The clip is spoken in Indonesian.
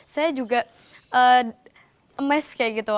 saya juga emas kayak gitu